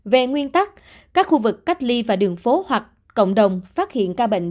về nguyên tắc các khu vực cách ly và đường phố hoặc cộng đồng phát hiện ca bệnh